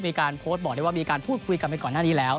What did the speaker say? มีการโพสต์บอกได้ว่ามีการพูดคุยกันไปก่อนหน้านี้แล้ว